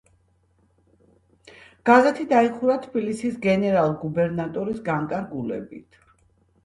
გაზეთი დაიხურა თბილისის გენერალ-გუბერნატორის განკარგულებით.